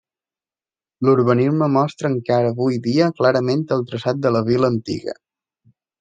L'urbanisme mostra encara avui dia clarament el traçat de la vila antiga.